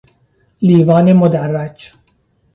لیوان مدرج